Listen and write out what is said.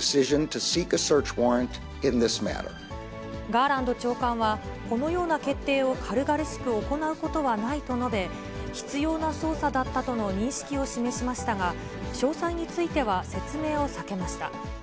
ガーランド長官は、このような決定を軽々しく行うことはないと述べ、必要な捜査だったとの認識を示しましたが、詳細については説明を避けました。